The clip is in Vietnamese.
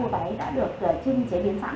vâng ạ chúng ta sẽ có hai vấn đề ở đây